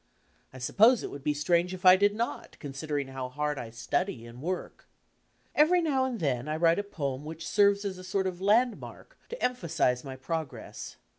I suppose it would be strange if I did not. i«ii b, Google considering how hard I study and work. Every now and dien I write a poem which serves as a sort of landmaric to efnphasi2e my progress.